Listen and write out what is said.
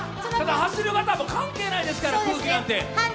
走る方、関係ないですから、空気なんて。